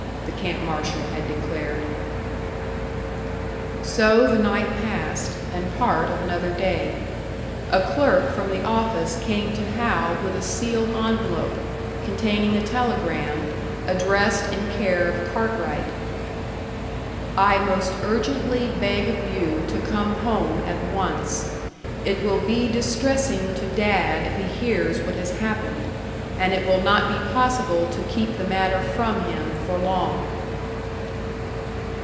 the camp marshal had declared. So the night passed, and part of another day. A clerk from the office came to Hal with a sealed envelope, containing a telegram, addressed in care of Cartwright. "I most urgently beg of you to come home at once. It will be distressing to Dad if he hears what has happened, and it will not be possible to keep the matter from him for long."